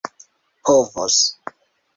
povos